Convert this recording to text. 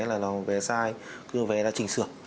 là vé sai vé đã chỉnh sửa